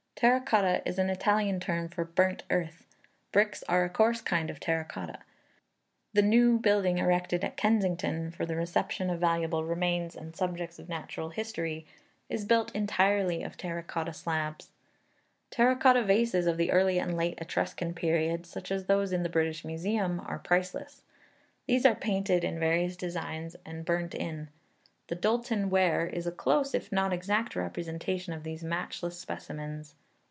Terra Cotta is an Italian term for "burnt earth." Bricks are a coarse kind of terra cotta. The new building erected at Kensington for the reception of valuable remains and subjects of natural history, is built entirely of terra cotta slabs. Terra Cotta vases of the early and late Etruscan period, such as those in the British Museum, are priceless. These are painted in various designs, and burnt in. The Doulton Ware is a close, if not exact, representation of these matchless specimens.